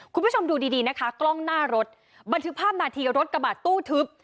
คุณผู้ชมดูดีดีนะคะกล้องหน้ารถบันทึกภาพนาทีรถกระบาดตู้ทึบ